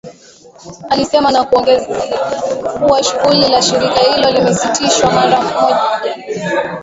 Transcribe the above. alisema na kuongeza kuwa shughuli za shirika hilo zimesitishwa mara moja